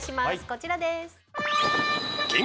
こちらです！